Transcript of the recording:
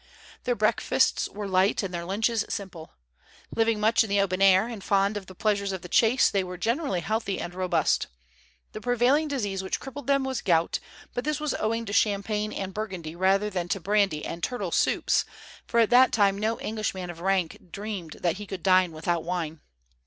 Their breakfasts were light and their lunches simple. Living much in the open air, and fond of the pleasures of the chase, they were generally healthy and robust. The prevailing disease which crippled them was gout; but this was owing to champagne and burgundy rather than to brandy and turtle soups, for at that time no Englishman of rank dreamed that he could dine without wine.